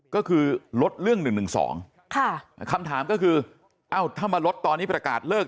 ก็คือลดเรื่องหนึ่งหนึ่งสองค่ะคำถามก็คือเอ้าถ้ามาลดตอนนี้ประกาศเลิก